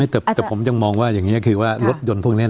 แต่ผมยังมองว่าอย่างนี้คือว่ารถยนต์พวกนี้